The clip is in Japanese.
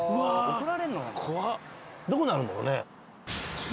どこにあるんだろうね。